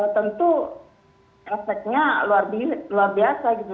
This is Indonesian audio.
tentu efeknya luar biasa gitu